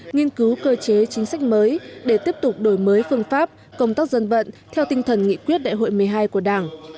nghiên cứu cơ chế chính sách mới để tiếp tục đổi mới phương pháp công tác dân vận theo tinh thần nghị quyết đại hội một mươi hai của đảng